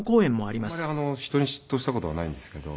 あんまり人に嫉妬した事がないんですけど。